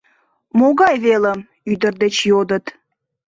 — Могай велым? — ӱдыр деч йодыт.